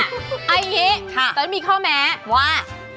เอาอย่างนี้ตอนนั้นมีข้อแม้ว่า